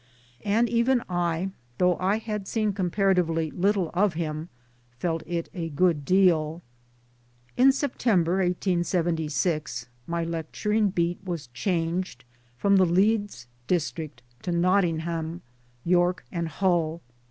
And even I though I had seen com'paratively little of him felt it a good deal. In September 1876 my lecturing beat was changed from the Leeds district to Nottingham, York and Hull.